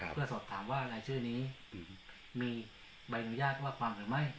เพื่อสอบถามว่ารายชื่อนี้มีใบอนุญาตว่าความหรือไม่